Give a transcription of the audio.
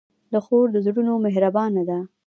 خور د زړونو مهربانه ده.